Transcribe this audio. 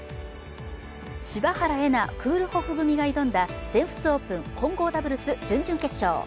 柴原瑛菜・クールホフ組が挑んだ全仏オープン・混合ダブルス準々決勝